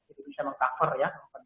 tidak bisa meng cover ya